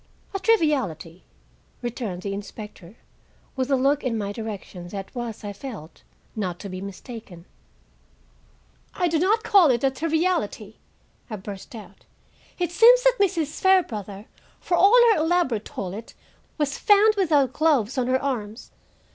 "A triviality," returned the inspector, with a look in my direction that was, I felt, not to be mistaken. "I do not call it a triviality," I burst out. "It seems that Mrs. Fairbrother, for all her elaborate toilet, was found without gloves on her arms.